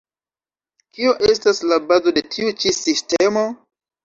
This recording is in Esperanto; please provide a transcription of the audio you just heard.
Kio estas la bazo de tiu ĉi sistemo?